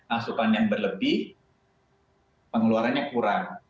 asupan yang berlebih pengeluarannya kurang